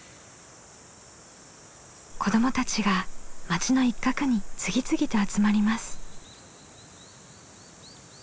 子どもたちが町の一角に次々と集まります。